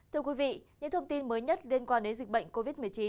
thưa quý vị những thông tin mới nhất liên quan đến dịch bệnh covid một mươi chín